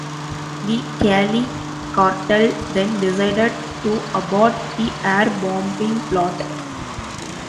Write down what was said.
The Cali Cartel then decided to abort the air bombing plot.